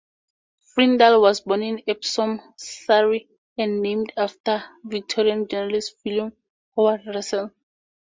Frindall was born in Epsom, Surrey and named after Victorian journalist William Howard Russell.